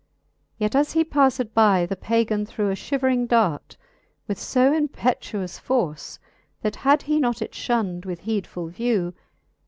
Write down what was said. , Yet as he paffed by, the Pagan threw A fhivering dart with fo impetuous force, That had he not it fliun'd with heedfull vew.